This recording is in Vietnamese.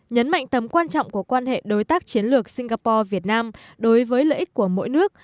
nhấn mạnh tầm quan trọng của quan hệ đối tác chiến lược singapore việt nam đối với lợi ích của mỗi nước